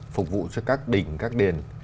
phục vụ cho các đỉnh các đền